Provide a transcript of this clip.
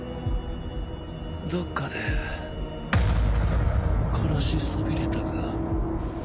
どっかで殺しそびれたか？